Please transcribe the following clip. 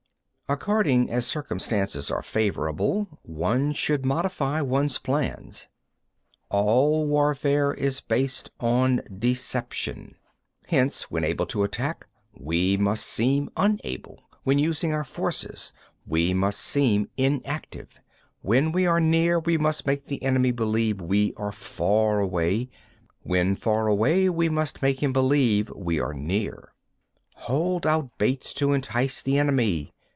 17. According as circumstances are favourable, one should modify one's plans. 18. All warfare is based on deception. 19. Hence, when able to attack, we must seem unable; when using our forces, we must seem inactive; when we are near, we must make the enemy believe we are far away; when far away, we must make him believe we are near. 20. Hold out baits to entice the enemy.